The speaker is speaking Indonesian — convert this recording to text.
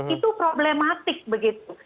itu problematik begitu